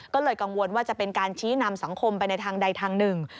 ก็เลยกังวลว่าจะเป็นการชี้นำสังคมไปในทางใดทางหนึ่ง